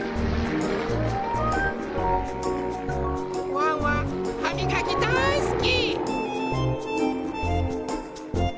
ワンワンはみがきだいすき！